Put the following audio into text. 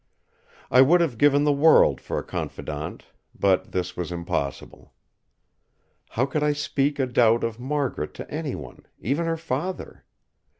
I would have given the world for a confidant; but this was impossible. How could I speak a doubt of Margaret to anyone, even her father!